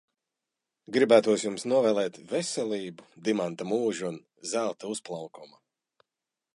Gribētos jums novēlēt veselību, dimanta mūžu un zelta uzplaukumu.